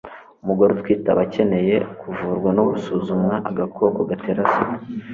umugore utwite aba akeneye kuvurwa no gusuzumwa agakoko gatera sida